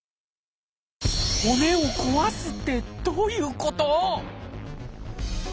「骨を壊す」ってどういうこと？